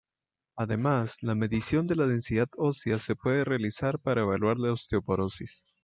Además, la medición de la densidad ósea se puede realizar para evaluar la osteoporosis.